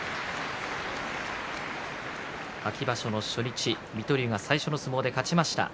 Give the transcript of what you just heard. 秋場所の初日、水戸龍が最初の相撲で勝ちました。